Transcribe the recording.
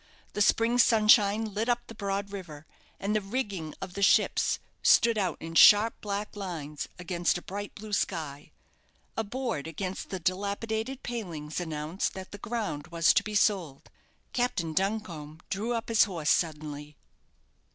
The spring sunshine lit up the broad river, and the rigging of the ships stood out in sharp black lines against a bright blue sky. A board against the dilapidated palings announced that the ground was to be sold. Captain Duncombe drew up his horse suddenly.